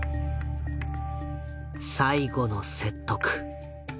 最後の説得。